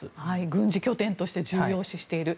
軍事拠点として重要視している。